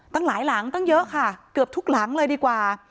ตั้งหลายหลังตั้งเยอะค่ะเกือบทุกหลังเลยดีกว่า